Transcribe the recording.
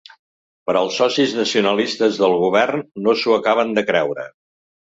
Però els socis nacionalistes del govern no s’ho acaben de creure.